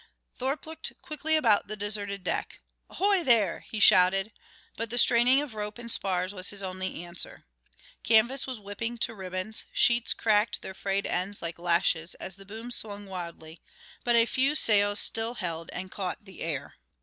Thorpe looked quickly about the deserted deck. "Ahoy, there!" he shouted, but the straining of rope and spars was his only answer. Canvas was whipping to ribbons, sheets cracked their frayed ends like lashes as the booms swung wildly, but a few sails still held and caught the air.